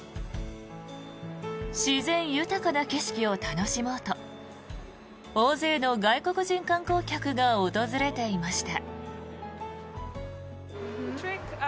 自然豊かな景色を楽しもうと大勢の外国人観光客が訪れていました。